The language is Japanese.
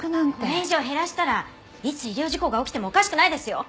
これ以上減らしたらいつ医療事故が起きてもおかしくないですよ！